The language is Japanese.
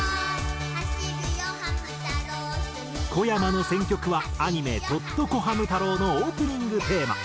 こやまの選曲はアニメ『とっとこハム太郎』のオープニングテーマ。